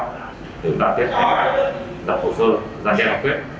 thì xác định được phần lớn